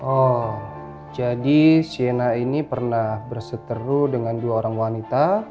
oh jadi shena ini pernah berseteru dengan dua orang wanita